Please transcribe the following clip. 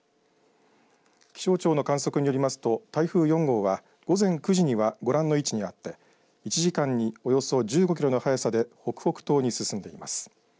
気象庁の観測によりますと台風４号は午前９時にはご覧の位置にあって１時間におよそ１５キロの速さで北北東に進んでいます。